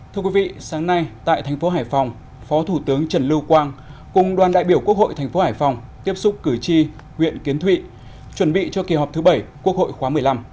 thưa quý vị sáng nay tại thành phố hải phòng phó thủ tướng trần lưu quang cùng đoàn đại biểu quốc hội thành phố hải phòng tiếp xúc cử tri huyện kiến thụy chuẩn bị cho kỳ họp thứ bảy quốc hội khóa một mươi năm